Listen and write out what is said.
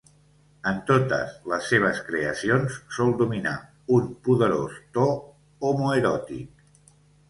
En totes les seves creacions sol dominar un poderós to homoeròtic.